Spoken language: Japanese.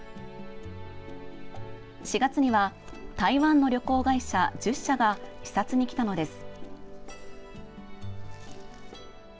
４月には台湾の旅行会社１０社が視察に来たのです。